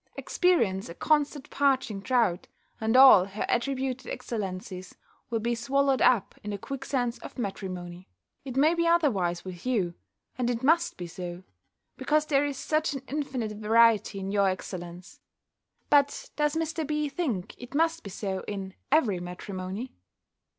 experience a constant parching drought and all her attributed excellencies will be swallowed up in the quicksands of matrimony. It may be otherwise with you; and it must be so; because there is such an infinite variety in your excellence. But does Mr. B. think it must be so in every matrimony?